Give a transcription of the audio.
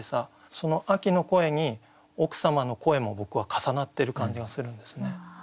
その「秋の声」に奥様の声も僕は重なってる感じがするんですね。